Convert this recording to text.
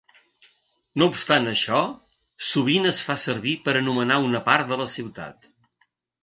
No obstant això, sovint es fa servir per anomenar una part de la ciutat.